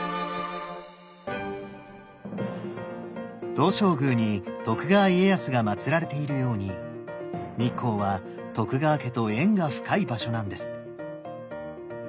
東照宮に徳川家康がまつられているように日光は徳川家と縁が深い場所なんです。